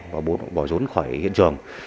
và bộ vòi rốn